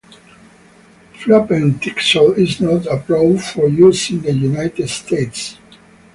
Flupentixol is not approved for use in the United States.